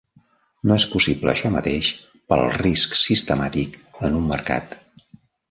No és possible això mateix pel risc sistemàtic en un mercat.